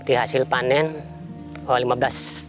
di hasil panen lima belas